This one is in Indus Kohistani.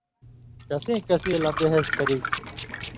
کسیں کسیں لہ بہز کیریۡ تُھو